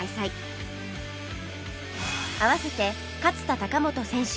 併せて勝田貴元選手